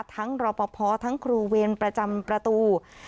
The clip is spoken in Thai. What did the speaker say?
ทั้งรอพอทั้งครูเวรประจำประตู